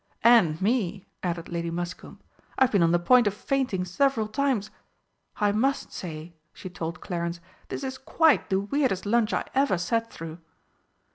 "And me!" added Lady Muscombe. "I've been on the point of fainting several times. I must say," she told Clarence, "this is quite the weirdest lunch I ever sat through!"